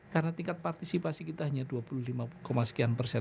karena tingkat partisipasi kita hanya dua puluh lima sekian persen